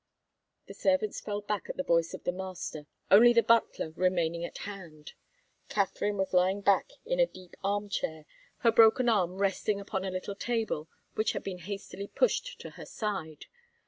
The servants fell back at the voice of the master, only the butler remaining at hand. Katharine was lying back in a deep arm chair, her broken arm resting upon a little table which had been hastily pushed to her side.